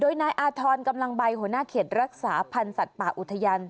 โดยนายอาธรณ์กำลังใบหัวหน้าเขตรักษาพันธ์สัตว์ป่าอุทยาน